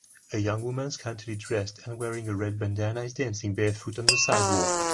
A young woman scantily dressed and wearing a red bandanna is dancing barefoot on the sidewalk